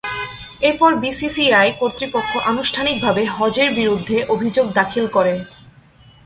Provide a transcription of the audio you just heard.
এরপর বিসিসিআই কর্তৃপক্ষ আনুষ্ঠানিকভাবে হজের বিরুদ্ধে অভিযোগ দাখিল করে।